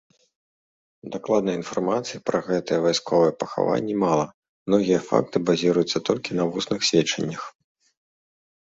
Дакладнай інфармацыі пра гэтыя вайсковыя пахаванні мала, многія факты базіруюцца толькі на вусных сведчаннях.